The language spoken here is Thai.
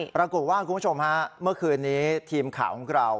ปรากฏว่าคุณผู้ชมฮะเมื่อคืนนี้ทีมขาวของเรา